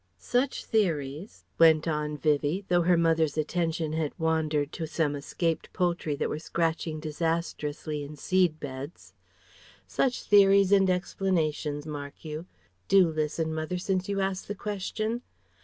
Such theories" went on Vivie, though her mother's attention had wandered to some escaped poultry that were scratching disastrously in seed beds "Such theories and explanations, mark you do listen, mother, since you asked the question..."